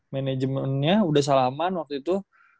manajemennya udah salaman waktu itu